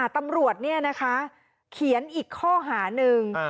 ตำรวจเขียนอีกข้อหาหนึ่ง